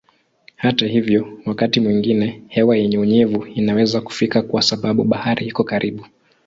Hata hivyo wakati mwingine hewa yenye unyevu inaweza kufika kwa sababu bahari iko karibu.